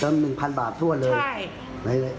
เติมหนึ่งพันบาททั่วนเลยใช่